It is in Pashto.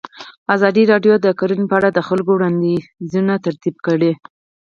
ازادي راډیو د کرهنه په اړه د خلکو وړاندیزونه ترتیب کړي.